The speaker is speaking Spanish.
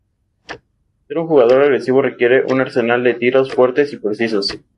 El ser un jugador agresivo requiere un arsenal de tiros fuertes y precisos.